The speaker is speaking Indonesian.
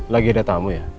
lagi ada tamu ya